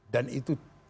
dan itu tidak diselesaikan